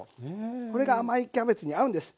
これが甘いキャベツに合うんです。